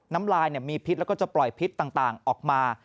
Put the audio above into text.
น้ำลายมีพิษแล้วก็จะปล่อยพิษต่างออกมา